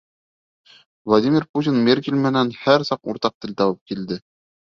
Владимир Путин Меркель менән һәр саҡ уртаҡ тел табып килде.